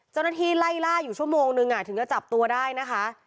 เจ้าหน้าที่ไล่ล่าอยู่ชั่วโมงนึงถึงจะจับตัวได้นะคะ